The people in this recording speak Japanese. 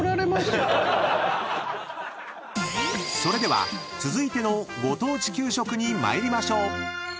［それでは続いてのご当地給食に参りましょう］